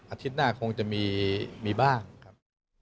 อาทิตย์หน้าคงจะมีบ้างครับ